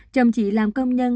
chồng chị làm công nhân